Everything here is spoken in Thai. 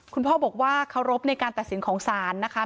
คุณพ่อบอกว่าเคารพในการตัดสินของศาลนะคะ